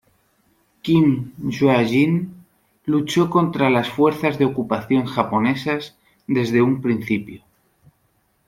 Kim Jwa-jin luchó contra las fuerzas de ocupación japonesas desde un principio.